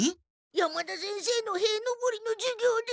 山田先生のへい登りの授業で。